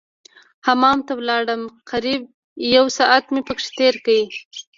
حمام ته ولاړم قريب يو ساعت مې پکښې تېر کړ.